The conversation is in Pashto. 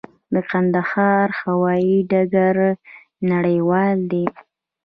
د کندهار هوايي ډګر نړیوال دی؟